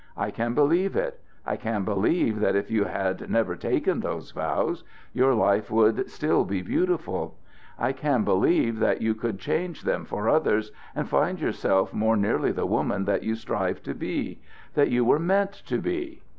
I can believe it. I can believe that if you had never taken those vows your life would still be beautiful. I can believe that you could change them for others and find yourself more nearly the woman that you strive to be that you were meant to be!"